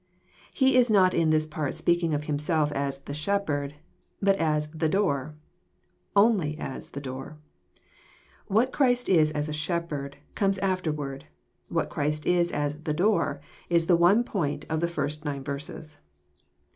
He is not in this part speaking of Himself as "the Shepherd," but as "the Door:" only as the Door. What Christ is as a " Shepherd " comes after ward ; what Christ is as "the Door " is the one point of the first nine verses.